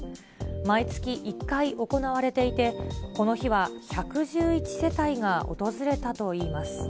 毎月１回行われていて、この日は１１１世帯が訪れたといいます。